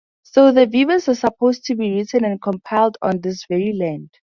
So the Vedas were supposed to be written and compiled on this very land.